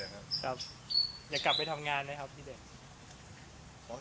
อยากกลับไปทำงานไหมครับพี่เด็ก